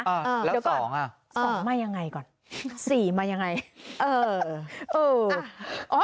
เออแล้ว๒อ่ะ๒มายังไงก่อน๔มายังไงเออ